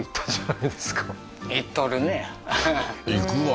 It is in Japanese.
いくわ